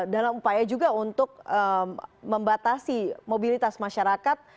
dalam upaya juga untuk membatasi mobilitas masyarakat